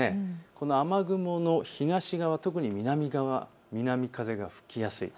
この雨雲の東側、特に南側、南風が吹きやすい。